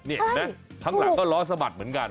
นี่ทั้งหลังก็ล้อสะบัดเหมือนกัน